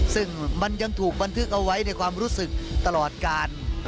ซึ่งมันยังถูกบันทึกเอาไว้ในความรู้สึกตลอดการ